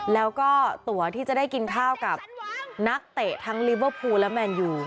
แล้วก็ตัวที่จะได้กินข้าวกับนักเตะทั้งลิเวอร์พูลและแมนยู